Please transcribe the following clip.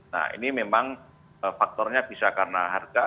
nah ini memang faktornya bisa karena harga